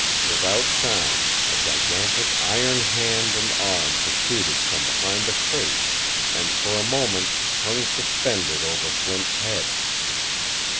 Without sound a gigantic iron hand and arm protruded from behind a crate and, for a moment, hung suspended over Flint's head.